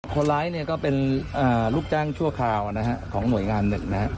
คนร้ายเนี่ยก็เป็นลูกจ้างชั่วคราวนะฮะของหน่วยงานหนึ่งนะฮะ